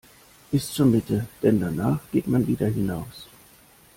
Bis zur Mitte, denn danach geht man wieder hinaus.